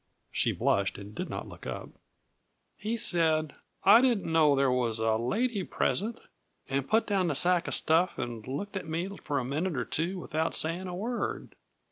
She blushed and did not look up. "He said, 'I didn't know there was a lady present,' and put down the sack of stuff and looked at me for a minute or two without saying a word.